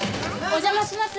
お邪魔します。